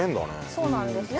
そうなんですよね。